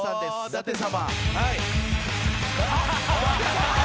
舘様。